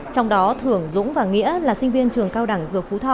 trong đó thưởng dũng và nghĩa là sinh viên trường cao đẳng dược phú thọ